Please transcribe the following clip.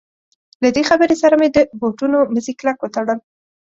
له دې خبرې سره مې د بوټونو مزي کلک وتړل.